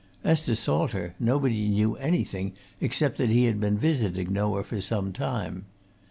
As to Salter, nobody knew anything except that he had been visiting Noah for some time.